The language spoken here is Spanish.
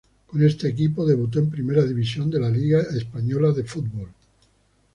Con este equipo debutó en Primera división de la liga española de fútbol.